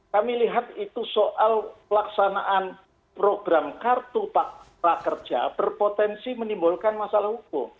kami lihat itu soal pelaksanaan program kartu prakerja berpotensi menimbulkan masalah hukum